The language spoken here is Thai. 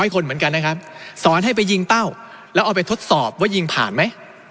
คนเหมือนกันนะครับสอนให้ไปยิงเต้าแล้วเอาไปทดสอบว่ายิงผ่านไหม